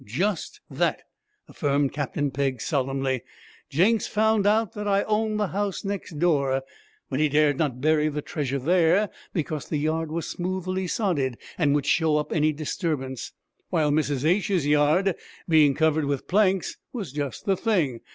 'Just that,' affirmed Captain Pegg solemnly. 'Jenks found out that I owned the house next door, but he dared not bury the treasure there because the yard was smoothly sodded, and would show up any disturbance; while Mrs. H.'s yard, being covered with planks, was just the thing.